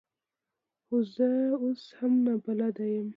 خو زه اوس هم نابلده یم .